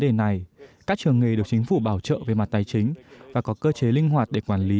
đề này các trường nghề được chính phủ bảo trợ về mặt tài chính và có cơ chế linh hoạt để quản lý